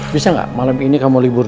bisa gak malem ini kamu liburin